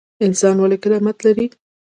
انسان ولې کرامت لري؟